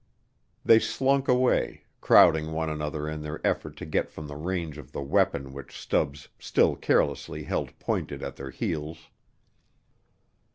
They slunk away, crowding one another in their effort to get from the range of the weapon which Stubbs still carelessly held pointed at their heels.